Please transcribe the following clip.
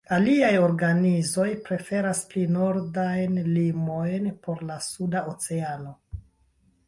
Aliaj organizoj preferas pli nordajn limojn por la Suda Oceano.